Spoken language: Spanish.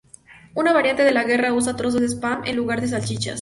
Una variante de la guerra usa trozos de "spam" en lugar de salchichas.